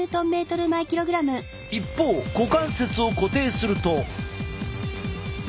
一方股関節を固定すると。